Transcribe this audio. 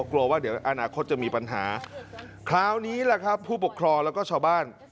กลัวว่าเดี๋ยวอนาคตจะมีปัญหาคราวนี้แหละครับผู้ปกครองแล้วก็ชาวบ้าน